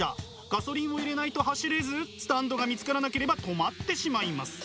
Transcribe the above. ガソリンを入れないと走れずスタンドが見つからなければ止まってしまいます。